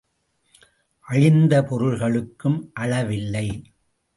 அழிந்த பொருள்களுக்கும் அளவில்லை.